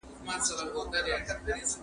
خواجه محمد رغبت ادبيار قسيم حسن ابرون